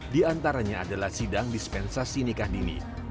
di antaranya adalah sidang dispensasi nikah dini